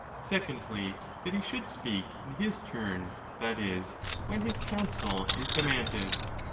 Secondly, that he should speak in his turn, that is, when his counsel is demanded.